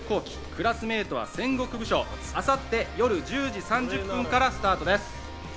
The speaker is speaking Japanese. クラスメイトは戦国武将』は明後日夜１０時３０分からスタートです。